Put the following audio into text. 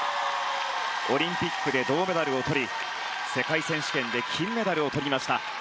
オリンピックで銅メダルをとり世界選手権で金メダルをとりました。